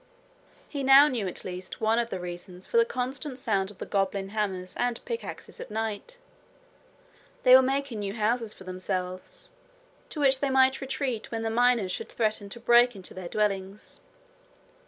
He now knew at least one of the reasons for the constant sound of the goblin hammers and pickaxes at night. They were making new houses for themselves, to which they might retreat when the miners should threaten to break into their dwellings.